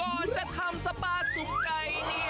ก่อนจะทำสปาสุมไก่นี่